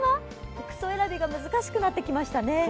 服装選びが難しくなってきましたね。